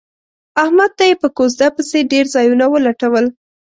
احمد ته یې په کوزده پسې ډېر ځایونه ولټول.